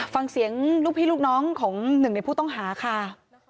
ฟังเสียงลูกพี่ลูกน้องของหนึ่งในผู้ต้องหาค่ะ